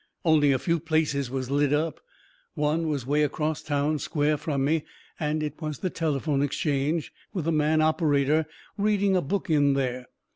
Only a few places was lit up. One was way acrost the town square from me, and it was the telephone exchange, with a man operator reading a book in there.